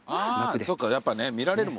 そっかやっぱね見られるもんね。